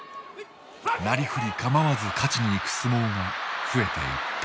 なりふり構わず勝ちに行く相撲が増えていった。